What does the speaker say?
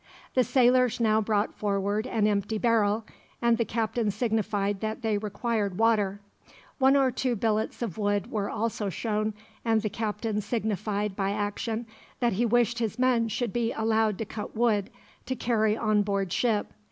The sailors now brought forward an empty barrel, and the captain signified that they required water. One or two billets of wood were also shown, and the captain signified, by action, that he wished his men should be allowed to cut wood, to carry on board ship.